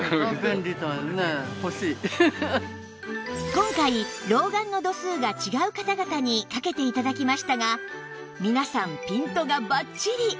今回老眼の度数が違う方々にかけて頂きましたが皆さんピントがバッチリ！